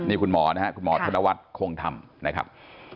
นี่คุณหมอนะฮะคุณหมอธนวัฒน์คงทำนะครับ